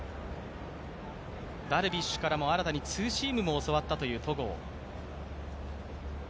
ダルビッシュからも新たにツーシームも教わったという戸郷。